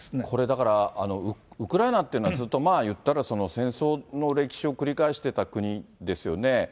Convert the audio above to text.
これ、だからウクライナっていうのは、ずっと、まあいったら、戦争の歴史を繰り返していた国ですよね。